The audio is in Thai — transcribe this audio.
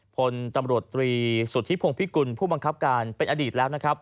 พลตำรวจตรีสุทธิพงพิกุลผู้บังคับการเป็นอดีตแล้วนะครับ